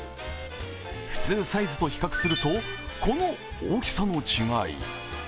普通サイズと比較するとこの大きさの違い。